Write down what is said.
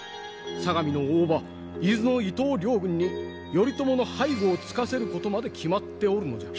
相模の大庭伊豆の伊東両軍に頼朝の背後をつかせることまで決まっておるのじゃ。